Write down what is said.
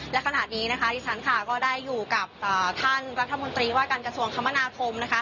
และขณะนี้ฉันก็ได้อยู่กับท่านรัฐมนตรีว่าการกระทรวงคำมณาคม